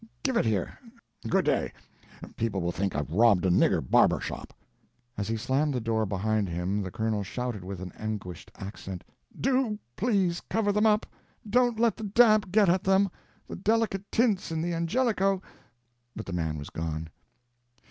Give it here—good day—people will think I've robbed a' nigger barber shop." As he slammed the door behind him the Colonel shouted with an anguished accent— "Do please cover them up—don't let the damp get at them. The delicate tints in the Angelico—" But the man was gone.